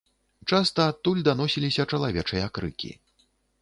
Часта адтуль даносіліся чалавечыя крыкі.